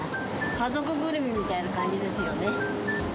家族ぐるみみたいな感じですよね。